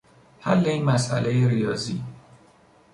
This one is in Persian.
حل این مسئلهی ریاضی